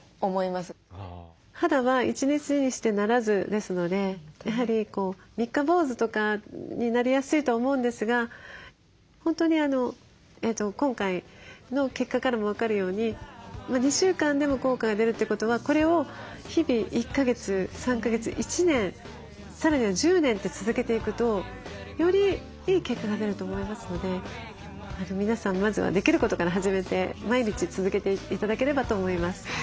「肌は１日にして成らず」ですのでやはり三日坊主とかになりやすいと思うんですが本当に今回の結果からも分かるように２週間でも効果が出るということはこれを日々１か月３か月１年さらには１０年って続けていくとよりいい結果が出ると思いますので皆さんまずはできることから始めて毎日続けて頂ければと思います。